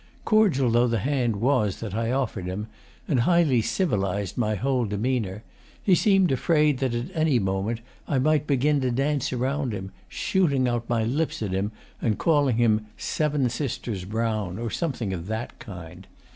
Cordial though the hand was that I offered him, and highly civilised my whole demeanour, he seemed afraid that at any moment I might begin to dance around him, shooting out my lips at him and calling him Seven Sisters Brown or something of that kind.